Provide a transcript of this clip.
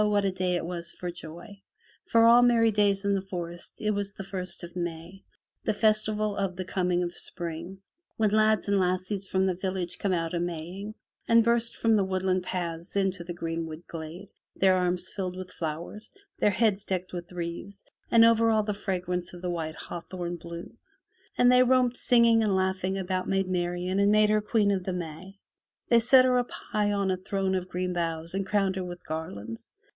what a day it was for joy. For of all merry days in the forest, it was the first of May, the festival of the coming of Spring, when lads and 6i MY BOOK HOUSE lassies from the villages came out a maying, and burst from the woodland paths into the greenwood glade, their arms filled with flowers, their heads decked with wreaths and over all the fragrance of the white hawthorn bloom. And they romped singing and laughing about Maid Marian and made her Queen of the May. They set her up high on a throne of green boughs and crowned her with garlands.